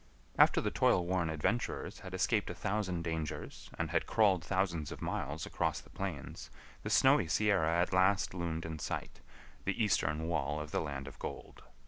After the toil worn adventurers had escaped a thousand dangers and had crawled thousands of miles across the plains the snowy Sierra at last loomed in sight, the eastern wall of the land of gold.